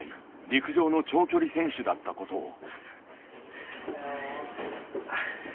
陸上の長距離選手だった事を。